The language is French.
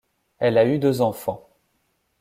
Elle a eu deux enfants.